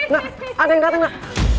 nak ada yang datang nak